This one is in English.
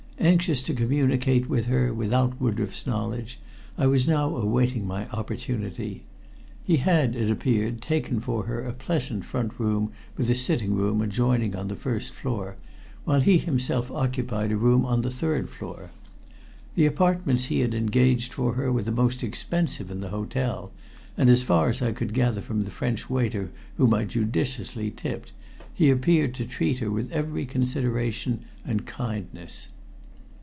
Anxious to communicate with her without Woodroffe's knowledge, I was now awaiting my opportunity. He had, it appeared, taken for her a pleasant front room with sitting room adjoining on the first floor, while he himself occupied a room on the third floor. The apartments he had engaged for her were the most expensive in the hotel, and as far as I could gather from the French waiter whom I judiciously tipped, he appeared to treat her with every consideration and kindness.